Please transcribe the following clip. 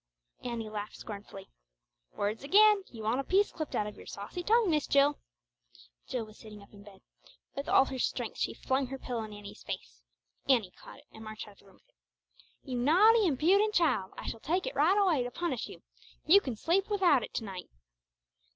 Annie laughed scornfully. "Words again! You want a piece clipped out of your saucy tongue, Miss Jill!" Jill was sitting up in bed. With all her strength she flung her pillow in Annie's face. Annie caught it, and marched out of the room with it. "You naughty, impudent child! I shall take it right away to punish you. You can sleep without it to night!"